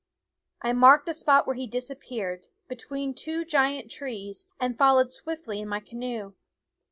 I marked the spot where he disappeared, between two giant trees, and followed swiftly in my canoe.